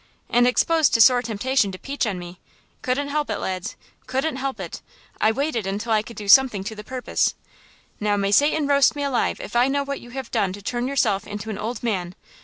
"And exposed to sore temptation to peach on me! Couldn't help it, lads! Couldn't help it! I waited until I could do something to the purpose!" "Now, may Satan roast me alive if I know what you have done to turn yourself into an old man!